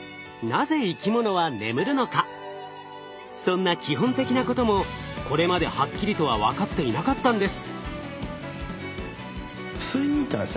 そんな基本的なこともこれまではっきりとは分かっていなかったんです。